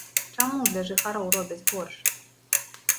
Чаму для жыхароў робяць горш?